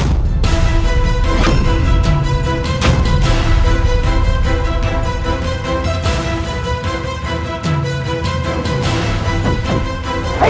kamu bukan sakit ya